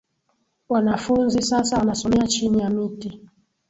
Wanafunzi sasa wanasomea chini ya miti